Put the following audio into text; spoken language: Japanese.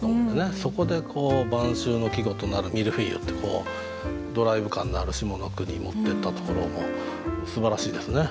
そこで「晩秋の季語となるミルフィーユ」ってドライブ感のある下の句に持ってったところもすばらしいですね。